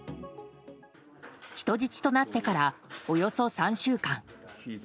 人質となってから、およそ３週間。